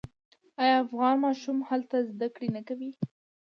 آیا افغان ماشومان هلته زده کړې نه کوي؟